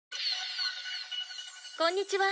「こんにちは。